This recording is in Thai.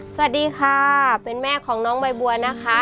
สวัสดีค่ะเป็นแม่ของน้องใบบัวนะคะ